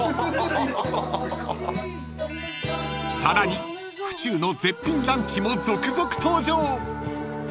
［さらに府中の絶品ランチも続々登場］